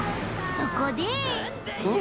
そこで？